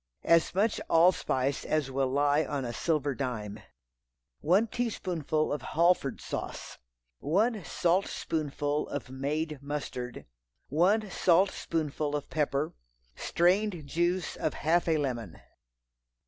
As much allspice as will lie on a silver dime. One teaspoonful of Halford sauce. One saltspoonful of made mustard. One saltspoonful of pepper. Strained juice of half a lemon.